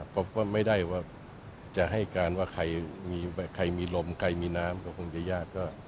ผมก็ไม่ได้ว่าจะให้การว่าใครมีลมใครมีน้ำก็คงจะยาก